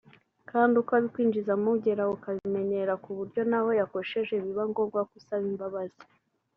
Kandi uko abikwinjizamo ugeraho ukabimenyera ku buryo n’aho yakosheje biba ngombwa ko usaba imbabazi